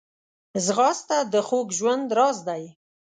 ځغاسته د خوږ ژوند راز دی